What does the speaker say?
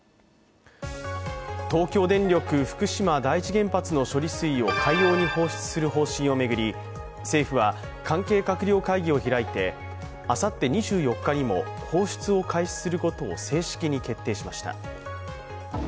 東京電力・福島第一原発の処理水を海洋に放出する方針を巡り政府は関係閣僚会議を開いてあさって２４日にも放出を開始することを正式に決定しました。